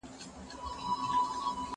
د کتابتون د کار مرسته د مور له خوا کيږي!!